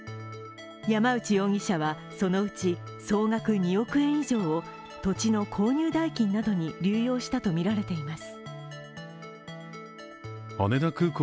山内容疑者はそのうち総額２億円以上を土地の購入代金などに流用したとみられています。